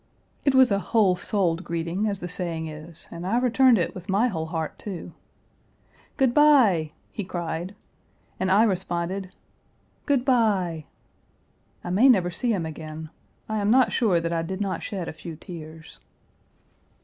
It was a whole souled greeting, as the saying is, and I returned it with my whole heart, too. "Good by," he cried, and I responded "Good by." I may never see him again. I am not sure that I did not shed a few tears.